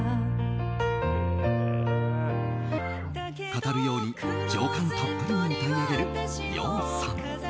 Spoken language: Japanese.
語るように情感たっぷりに歌い上げる羊さん。